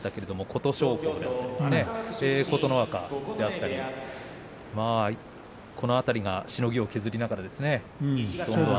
琴勝峰、琴ノ若、この辺りがしのぎを削りながらですね。